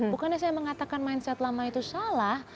bukannya saya mengatakan mindset lama itu salah